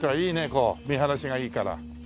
こう見晴らしがいいから。